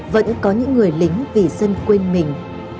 vẫn có những người lính vì dân quên mình